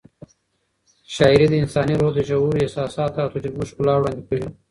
شاعري د انساني روح د ژورو احساساتو او تجربو ښکلا وړاندې کوي.